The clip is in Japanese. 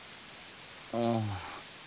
うん。